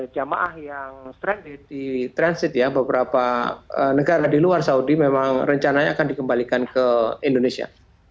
jamaah yang di transit ya beberapa negara di luar saudi memang rencananya akan dikembalikan ke indonesia